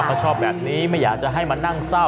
เขาชอบแบบนี้ไม่อยากจะให้มานั่งเศร้า